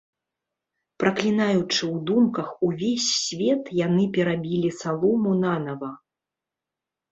Праклінаючы ў думках увесь свет, яны перабілі салому нанава.